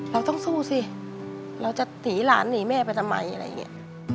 เราต้องสู้สิเราจะตีหลานหนีแม่ไปทำไมอะไรอย่างนี้